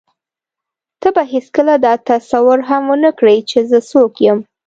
ته به هېڅکله دا تصور هم ونه کړې چې زه څوک یم.